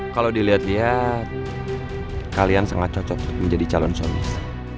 kalo diliat liat kalian sengaja cocok menjadi calon suamis